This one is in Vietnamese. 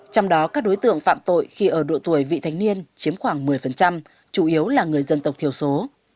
trong đó các đối tượng phạm tội khi ở độ tuổi vị thanh niên chiếm khoảng một mươi chủ yếu là người dân tộc thiểu số